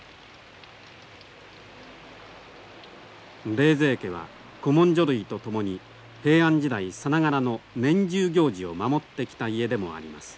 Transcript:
冷泉家は古文書類と共に平安時代さながらの年中行事を守ってきた家でもあります。